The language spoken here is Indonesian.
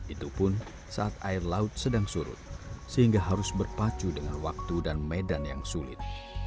itu pun saat air laut sedang surut sehingga harus berpacu dengan waktu dan medan yang sulit